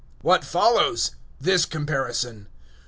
005:012 What follows? This comparison.